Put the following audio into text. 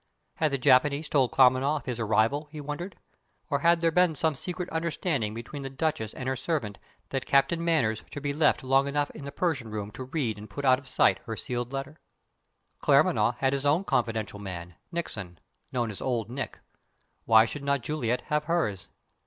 Had the Japanese told Claremanagh of his arrival, he wondered? Or had there been some secret understanding between the Duchess and her servant that Captain Manners should be left long enough in the Persian room to read and put out of sight her sealed letter? Claremanagh had his own confidential man, Nickson (known as "Old Nick"); why should not Juliet have hers?